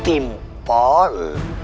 untuk tim paul